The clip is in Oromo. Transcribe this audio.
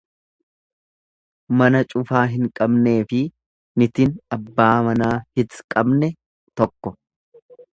Mana cufaa hin qabneefi nitin abbaa manaa hit qabne tokko.